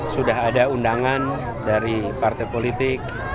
sudah ada undangan dari partai politik